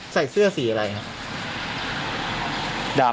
ใส่เสื้อสีอะไรครับ